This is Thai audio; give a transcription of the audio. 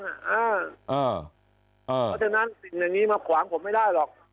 เพราะฉะนั้นสิ่งอย่างนี้มาขวางผมไม่ได้หรอก